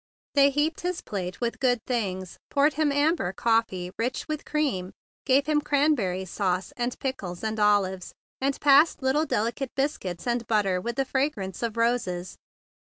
They heaped his plate with good things, poured him amber coffee rich with cream, gave him cranberry sauce and pickles and olives, and passed little delicate biscuits, and butter with the fragrance of roses.